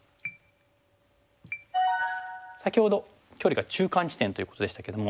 先ほど距離が中間地点ということでしたけども。